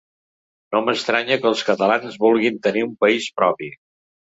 No m’estranya que els catalans vulguin tenir un país propi.